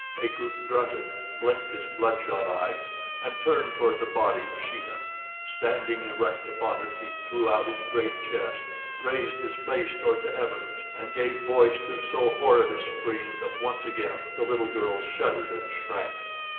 Akut grunted, blinked his blood shot eyes, and turned toward the body of Sheeta. Standing erect upon it he threw out his great chest, raised his face toward the heavens and gave voice to so horrid a scream that once again the little girl shuddered and shrank.